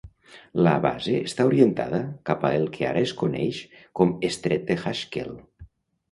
La base està orientada cap a el que ara es coneix com Estret de Haskell.